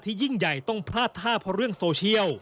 ยิ่งใหญ่ต้องพลาดท่าเพราะเรื่องโซเชียล